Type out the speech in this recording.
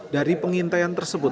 dari pengintaian tersebut